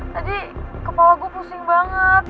tadi kepala gue pusing banget